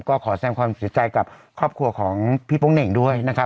ก็ขอแสดงความเสียใจกับครอบครัวของพี่โป๊งเหน่งด้วยนะครับ